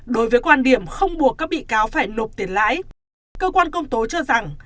đối với quan điểm không buộc các bị cáo phải nộp tiền lãi cơ quan công tố cho rằng